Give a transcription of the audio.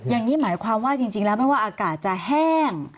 อย่างนี้หมายความว่าจริงแล้วไม่ว่าอากาศจะแห้ง